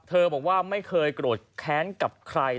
บอกว่าไม่เคยโกรธแค้นกับใคร